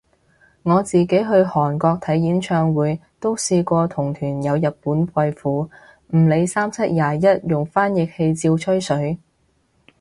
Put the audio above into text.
我自己去韓國睇演唱會都試過同團有日本貴婦，唔理三七廿一用翻譯器照吹水